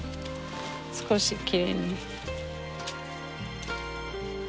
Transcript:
少しきれいに。